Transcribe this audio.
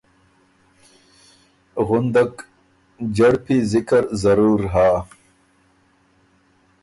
غُندک جهړپی ذکر ضرور هۀ۔